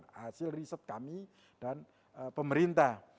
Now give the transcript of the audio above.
jadi riset kami dan pemerintah